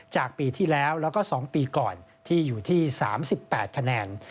จากปีที่แล้วแล้วก็๒ปีก่อนที่อยู่ที่๓๘คะแนน